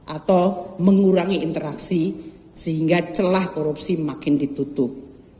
atau mengurangi interaksi sehingga celah korupsi makin ditutup